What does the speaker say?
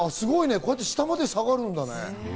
こうやって下まで下がるんだね。